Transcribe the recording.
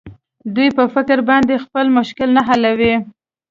دوى په فکر باندې خپل مشکل نه حلوي.